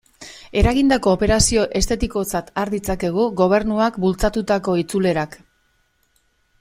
Eragindako operazio estetikotzat har ditzakegu Gobernuak bultzatutako itzulerak.